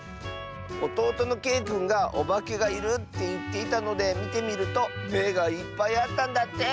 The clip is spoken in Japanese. おとうとのけいくんがおばけがいるっていっていたのでみてみるとめがいっぱいあったんだって！